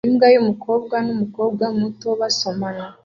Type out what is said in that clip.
Imbwa yumukobwa numukobwa muto basomana